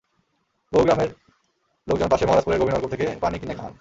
বহু গ্রামের লোকজন পাশের মহারাজপুরের গভীর নলকূপ থেকে পানি কিনে খান।